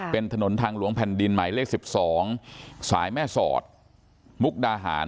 เป็นถนนทางหลวงแผ่นดินหมายเลข๑๒สายแม่สอดมุกดาหาร